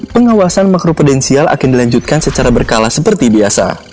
pengawasan makro prudensial akan dilanjutkan secara berkala seperti biasa